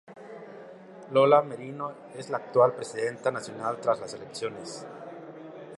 Lola Merino es la actual presidenta nacional, tras las elecciones.